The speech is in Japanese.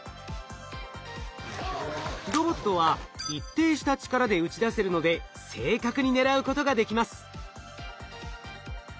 ロボットは一定した力で打ち出せるので正確に狙うことができます。